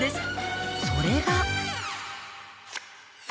「それが」